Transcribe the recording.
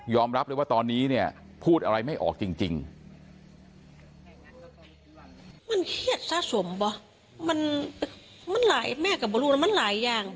รับเลยว่าตอนนี้เนี่ยพูดอะไรไม่ออกจริง